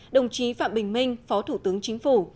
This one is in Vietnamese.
đồng chí phạm bình minh phó thủ tướng chính phủ